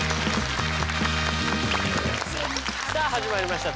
さあ始まりました